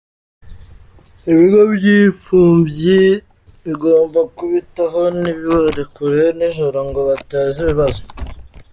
Ibigo by’imfubyi bigomba kubitaho ntibibarekure nijoro ngo bateze ibibazo.